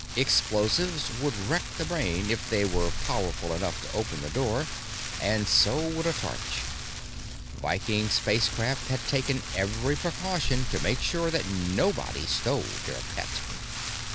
Explosives would wreck the brain if they were powerful enough to open the door, and so would a torch. Viking Spacecraft had taken every precaution to make sure that nobody stole their pet.